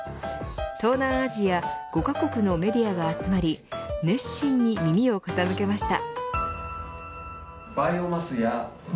東南アジア５カ国のメディアが集まり熱心に耳を傾けました。